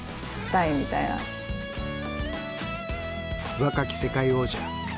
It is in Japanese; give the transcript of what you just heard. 若き世界王者。